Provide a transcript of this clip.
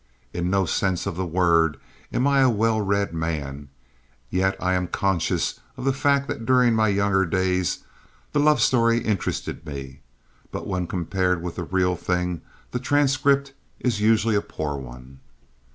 In no sense of the word am I a well read man, yet I am conscious of the fact that during my younger days the love story interested me; but when compared with the real thing, the transcript is usually a poor one.